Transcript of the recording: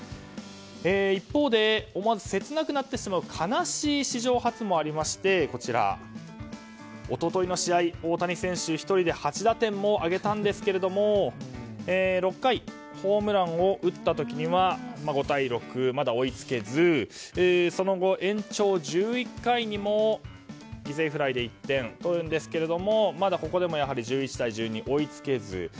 一方で思わず切なくなってしまう悲しい史上初もありまして一昨日の試合、大谷選手１人で８打点も挙げたんですが６回でホームランを打った時には、５対６まだ追いつけずその後、延長１１回にも犠牲フライで１点をとるんですがここでも１１対１２で追いつけず。